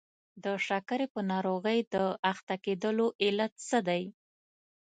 د شکرې په ناروغۍ د اخته کېدلو علت څه دی؟